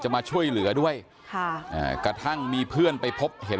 มาช่วยเหลือด้วยค่ะอ่ากระทั่งมีเพื่อนไปพบเห็น